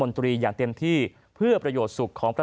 พลเอกเปรยุจจันทร์โอชานายกรัฐมนตรีพลเอกเปรยุจจันทร์โอชานายกรัฐมนตรี